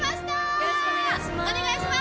よろしくお願いします。